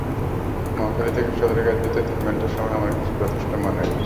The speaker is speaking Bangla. মহাখালী থেকে সদরঘাট যেতে তিন ঘণ্টা সময় আমার কাছে যথেষ্ট মনে হয়েছে।